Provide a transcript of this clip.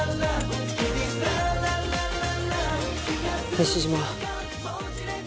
西島。